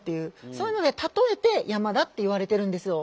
そういうので例えて山だっていわれてるんですよ。